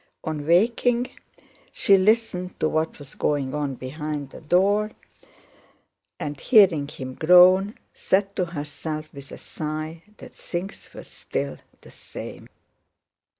On waking she listened to what was going on behind the door and, hearing him groan, said to herself with a sigh that things were still the same.